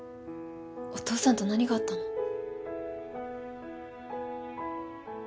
お父さんと何があったの？